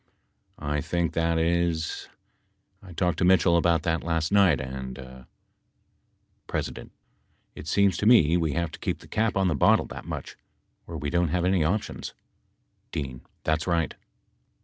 I think that is — I talked to Mitchell about that last night and — P. It seems to me we have to keep the cap on the bottle that much, or we don't have any options. D. That's right.